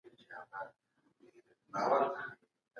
نوې طریقه د دې خطر کمولو هڅه کوي.